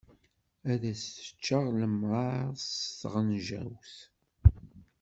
Ad ak-seččeɣ lemṛaṛ s tɣenjawt.